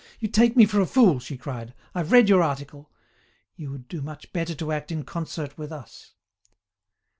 "You take me for a fool!" she cried. "I've read your article. You would do much better to act in concert with us."